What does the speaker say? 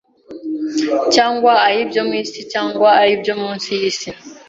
cyangwa ay’ibyo mu isi, cyangwa ay’ibyo munsi y’isi.